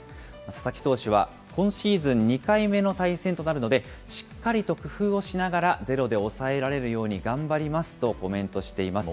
佐々木選手は今シーズン２回目の対戦となるので、しっかりと工夫をしながら、０で抑えられるように頑張りますとコメントしています。